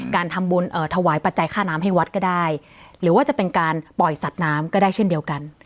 การทำบุญถวายปัจจัยค่าน้ำให้วัดก็ได้หรือว่าจะเป็นการปล่อยสัตว์น้ำก็ได้เช่นเดียวกัน